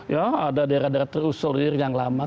ya ada daerah daerah terus selir yang lama